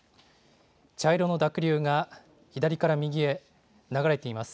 茶色の濁流が左から右へ流れています。